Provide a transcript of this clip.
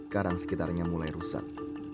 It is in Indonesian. karang sekitarnya mulai rusak